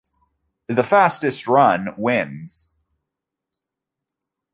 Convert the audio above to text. The fastest run wins.